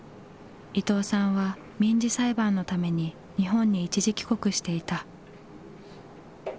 伊藤さんは民事裁判のために日本に一時帰国していた。